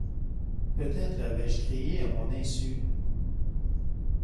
Peut-être avais-je crié à mon insu ?